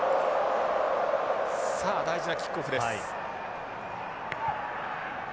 さあ大事なキックオフです。